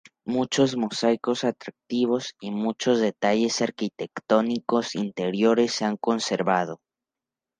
Muchos mosaico atractivos y muchos detalles arquitectónicos interiores se han conservado.